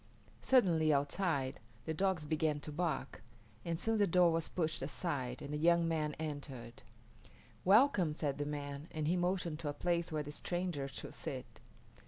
Suddenly, outside, the dogs began to bark, and soon the door was pushed aside and a young man entered. "Welcome," said the man, and he motioned to a place where the stranger should sit.